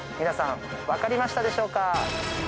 皆さん分かりましたでしょうか？